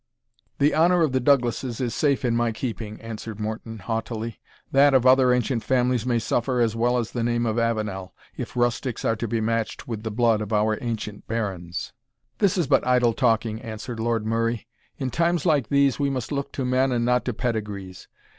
"The honour of the Douglasses is safe in my keeping," answered Morton, haughtily; "that of other ancient families may suffer as well as the name of Avenel, if rustics are to be matched with the blood of our ancient barons." "This is but idle talking," answered Lord Murray; "in times like these, we must look to men and not to pedigrees.